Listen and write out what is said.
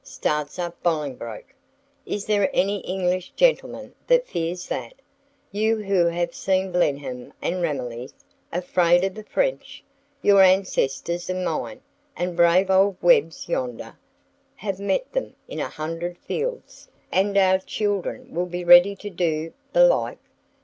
starts up Bolingbroke; "is there any English gentleman that fears that? You who have seen Blenheim and Ramillies, afraid of the French! Your ancestors and mine, and brave old Webb's yonder, have met them in a hundred fields, and our children will be ready to do the like.